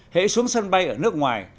hãy xuống sân bay ở nước ngoài